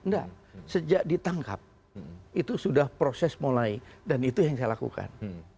enggak sejak ditangkap itu sudah proses mulai dan itu yang saya lakukan